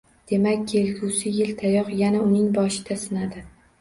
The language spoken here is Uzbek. Demak, kelgusi yil tayoq yana uning boshida sinadi.